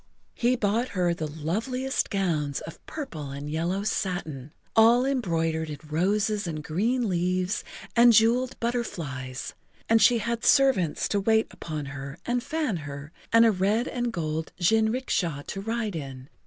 He bought her the loveliest gowns of purple and yellow satin, all embroidered in roses and green leaves and jeweled butterflies, and she had servants to wait upon her and fan her and a red and gold jinricksha to ride in.